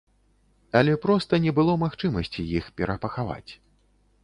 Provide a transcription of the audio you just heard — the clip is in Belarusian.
Але проста не было магчымасці іх перапахаваць.